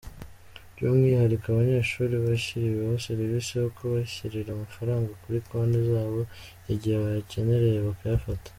By’umwihariko abanyeshuri bashyiriweho serivisi yo kubashyirira amafaranga kuri konti zabo, igihe bayakenereye bakayafata.